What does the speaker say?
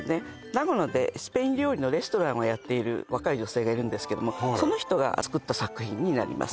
長野でスペイン料理のレストランをやっている若い女性がいるんですけどもその人が作った作品になります